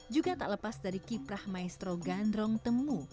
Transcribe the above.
juga tak lepas dari kiprah maestro gandrong temu